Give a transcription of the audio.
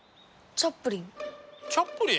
チャップリン？